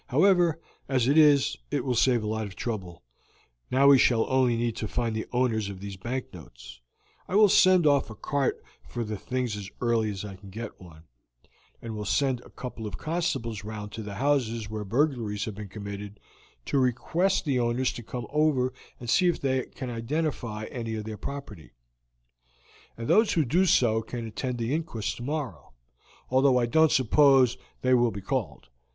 However, as it is, it will save a lot of trouble; now we shall only need to find the owners of these bank notes. I will send off a cart for the things as early as I can get one, and will send a couple of constables round to the houses where burglaries have been committed to request the owners to come over and see if they can identify any of their property; and those who do so can attend the inquest tomorrow, though I don't suppose they will be called.